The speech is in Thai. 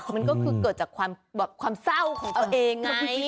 มันก็คือเกิดจากความเศร้าของตัวเองไง